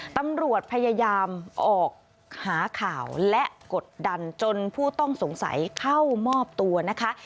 ตำรวจพยายามออกหาข่าวและกดดันจนผู้ต้องสงสัยเข้ามอบตัวนะคะ